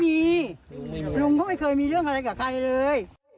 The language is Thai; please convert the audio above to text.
มีลุงก็ไม่เคยมีเรื่องอะไรกับใครเลย